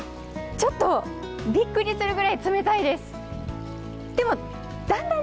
ちょっとびっくりするくらい冷たいです。